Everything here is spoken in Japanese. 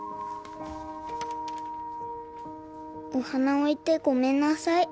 「お花おいてごめんなさい」